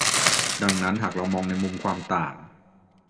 ดังนั้นหากเรามองในมุมความต่าง